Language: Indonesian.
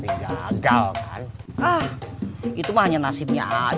petinju yang udah ikut seleksi buat porda gagal itu hanya nasibnya aja jelek si johnny dia